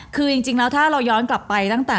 คือจริงแล้วถ้าเราย้อนกลับไปตั้งแต่